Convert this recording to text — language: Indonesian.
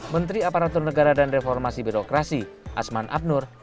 menteri aparatur negara dan reformasi birokrasi asman abnur